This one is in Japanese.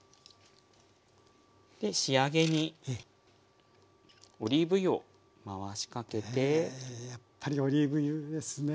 で仕上げにオリーブ油を回しかけて。へやっぱりオリーブ油ですね。